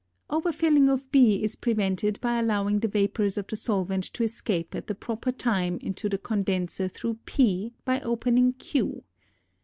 Overfilling of B is prevented by allowing the vapors of the solvent to escape at the proper time into the condenser through p by opening q.